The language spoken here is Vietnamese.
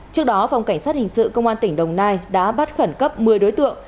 trước đó phòng cảnh sát hình sự công an tỉnh đồng nai đã bắt khẩn cấp một mươi đối tượng